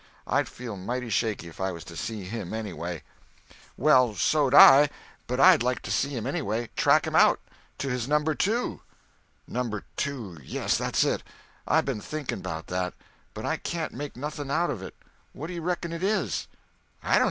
I'd feel mighty shaky if I was to see him, anyway." "Well, so'd I; but I'd like to see him, anyway—and track him out—to his Number Two." "Number Two—yes, that's it. I been thinking 'bout that. But I can't make nothing out of it. What do you reckon it is?" "I dono.